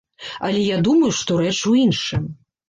Але я думаю, што рэч у іншым.